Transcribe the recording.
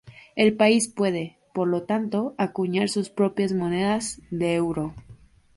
El país puede, por lo tanto, acuñar sus propias monedas de euro.